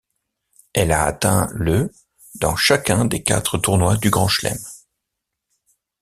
Elle a atteint le dans chacun des quatre tournois du Grand Chelem.